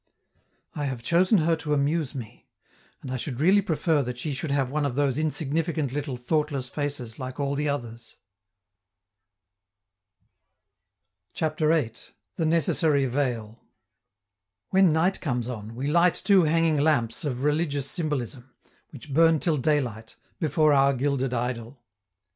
I have chosen her to amuse me, and I should really prefer that she should have one of those insignificant little thoughtless faces like all the others. CHAPTER VIII. THE NECESSARY VEIL When night comes on, we light two hanging lamps of religious symbolism, which burn till daylight, before our gilded idol.